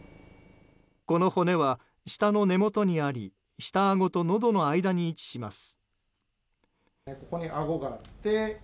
この骨は舌の根元にあり下あごとのどの間に位置します。